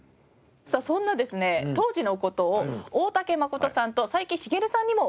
さあそんなですね当時の事を大竹まことさんと斉木しげるさんにも伺いました。